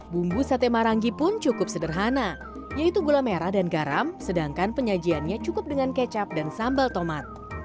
bumbu sate maranggi pun cukup sederhana yaitu gula merah dan garam sedangkan penyajiannya cukup dengan kecap dan sambal tomat